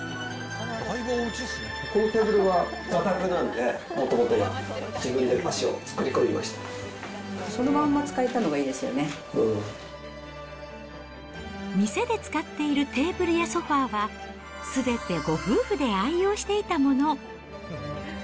このテーブルは座卓なので、もともとが、そのまんま使えたのがいいで店で使っているテーブルやソファーは、すべてご夫婦で愛用していたもの。